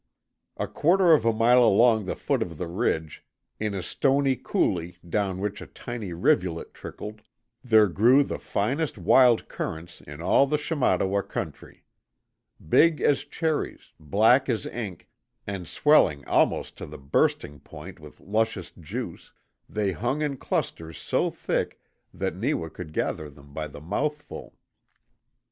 A quarter of a mile along the foot of the ridge, in a stony coulee down which a tiny rivulet trickled, there grew the finest wild currants in all the Shamattawa country. Big as cherries, black as ink, and swelling almost to the bursting point with luscious juice, they hung in clusters so thick that Neewa could gather them by the mouthful.